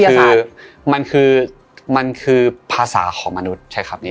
มันคือมันคือมันคือภาษาของมนุษย์